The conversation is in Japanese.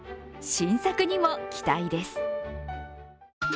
新作にも期待です。